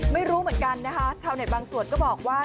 ไม่รู้เหมือนกันนะคะชาวเน็ตบางส่วนก็บอกว่า